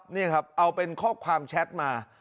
นี่ครับเอาเป็นข้อความแชทมา